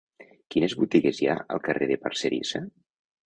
Quines botigues hi ha al carrer de Parcerisa?